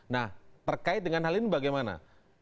nah terkait dengan hal ini bagaimana